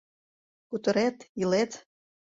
Кутырет, илет?!